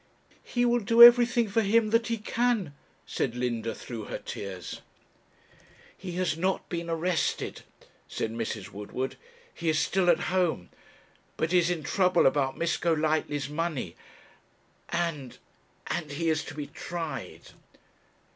'He will do everything for him that he can,' said Linda, through her tears. 'He has not been arrested,' said Mrs. Woodward; 'he is still at home; but he is in trouble about Miss Golightly's money and and he is to be tried.'